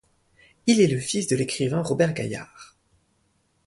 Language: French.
Il est le fils de l'écrivain Robert Gaillard.